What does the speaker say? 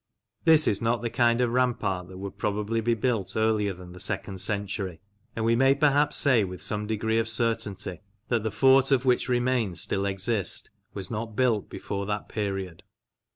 This is not the kind of rampart that would probably be built earlier than the second century, and we may perhaps say with some degree of certainty that the fort of which remains still exist was not built before that period.